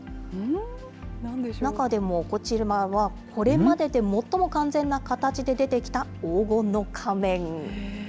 中でもこちらは、これまでで最も完全な形で出てきた黄金の仮面。